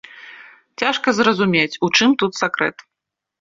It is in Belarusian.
Цяжка зразумець, у чым тут сакрэт.